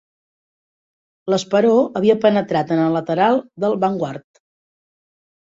L'esperó havia penetrat en el lateral del "Vanguard".